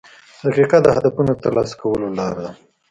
• دقیقه د هدفونو د ترلاسه کولو لار ده.